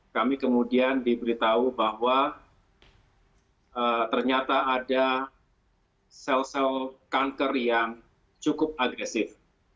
kami kemudian diberitahu bahwa ternyata ada sel sel kanker yang cukup agresif